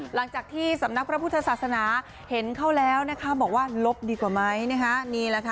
หลังจากที่สำนักพระพุทธศาสนาเห็นเขาแล้วนะคะบอกว่าลบดีกว่าไหมนะคะนี่แหละค่ะ